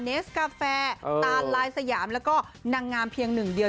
สกาแฟตานลายสยามแล้วก็นางงามเพียงหนึ่งเดียว